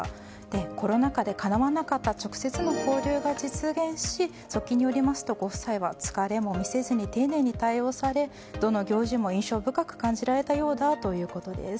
コロナ禍でかなわなかった直接の交流が実現し側近によりますとご夫妻は疲れも見せずに丁寧に対応され、どんな行事も印象深く感じられたようだということです。